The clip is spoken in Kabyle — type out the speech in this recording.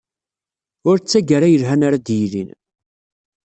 Ur d tagara yelhan ara d-yilin.